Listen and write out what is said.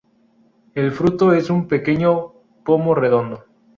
El fruto es un pequeño pomo redondo.